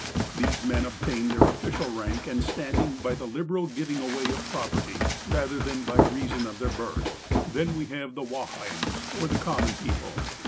These men obtained their official rank and standing by the liberal giving away of projDerty, rather than by reason of their birth. Then we have the " Waheims," or the common people.